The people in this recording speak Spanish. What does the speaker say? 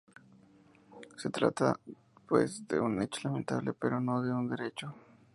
Se trata, pues, de un hecho lamentable, pero no de un derecho.